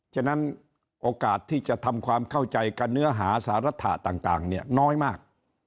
ฉะนั้นโอกาสที่จะทำความเข้าใจกับเนื้อหาสารรถะต่างเนี่ยน้อยมาก